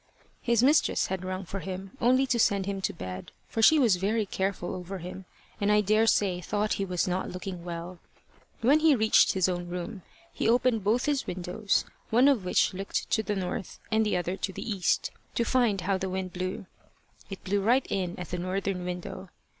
His mistress had rung for him only to send him to bed, for she was very careful over him and I daresay thought he was not looking well. When he reached his own room, he opened both his windows, one of which looked to the north and the other to the east, to find how the wind blew. It blew right in at the northern window.